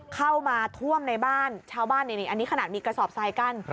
เข้ามาท่วมในบ้านชาวบ้านนี่อันนี้ขนาดมีกระสอบทรายกัน